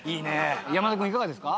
山田君いかがですか？